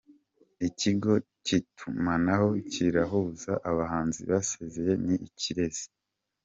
Ikigo kitumanaho kirahuza abahanzi basezeye n’Ikirezi